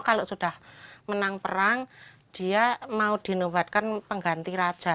kalau sudah menang perang dia mau dinobatkan pengganti raja